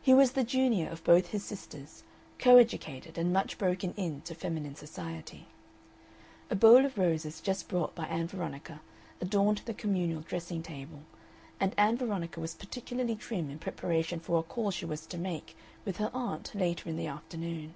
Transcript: He was the junior of both his sisters, co educated and much broken in to feminine society. A bowl of roses, just brought by Ann Veronica, adorned the communal dressing table, and Ann Veronica was particularly trim in preparation for a call she was to make with her aunt later in the afternoon.